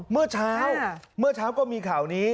เมื่อเช้าก็มีข่าวนี้